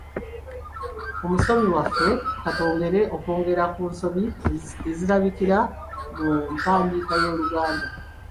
Omusomi waffe, ka twongere okwogera ku nsobi ezirabikira mu mpandiika y'Oluganda.